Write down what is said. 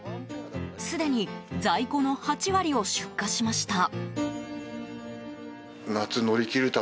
すでに在庫の８割を出荷しました。